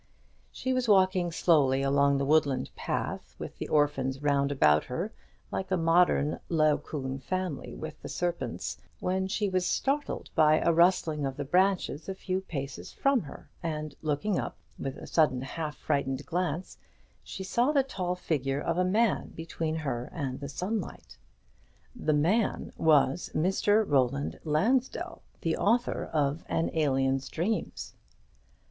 She was walking slowly along the woodland pathway, with the orphans round about her, like a modern Laocoon family without the serpents, when she was startled by a rustling of the branches a few paces from her, and looking up, with a sudden half frightened glance, she saw the tall figure of a man between her and the sunlight. The man was Mr. Roland Lansdell, the author of "An Alien's Dreams."